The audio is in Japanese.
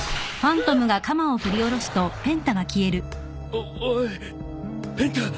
おおいペンタ。